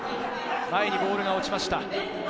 前にボールが落ちました。